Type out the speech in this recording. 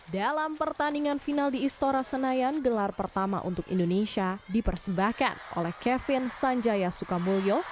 dalam pertandingan final di istora senayan gelar pertama untuk indonesia dipersembahkan oleh kevin sanjaya sukamulyo